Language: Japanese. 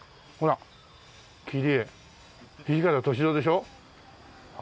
土方歳三でしょ？